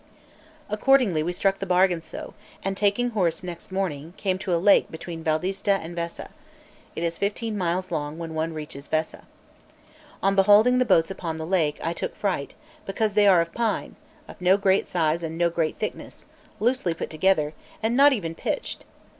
Accordingly we struck the bargain so; and taking horse next morning, came to a lake between Valdistate and Vessa; it is fifteen miles long when one reaches Vessa. On beholding the boats upon that lake I took fright; because they are of pine, of no great size and no great thickness, loosely put together, and not even pitched.